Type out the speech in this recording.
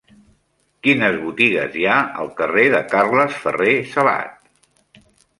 Quines botigues hi ha al carrer de Carles Ferrer Salat?